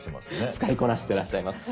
使いこなしてらっしゃいます。